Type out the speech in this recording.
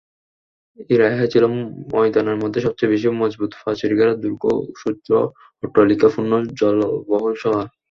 উরায়হা ছিল ময়দানের মধ্যে সবচেয়ে বেশি মজবুত প্রাচীরঘেরা দুর্গ, সুউচ্চ অট্টালিকাপূর্ণ জনবহুল শহর।